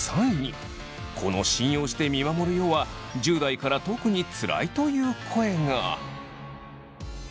この「信用して見守るよ」は１０代から特につらいという声が。